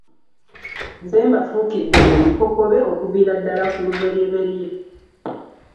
Nze mbafuukidde olukokobe okuviira ddala ku lubereberye